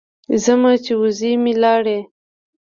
ځمه چې وزې مې لاړې.